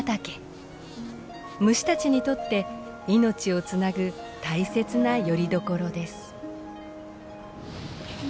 虫たちにとって命をつなぐ大切なよりどころです。